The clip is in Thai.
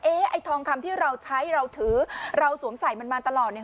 ไอ้ทองคำที่เราใช้เราถือเราสวมใส่มันมาตลอดเนี่ย